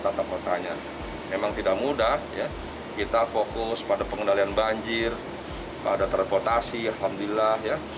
kata kata nya memang tidak mudah ya kita fokus pada pengendalian banjir pada terpotasi alhamdulillah ya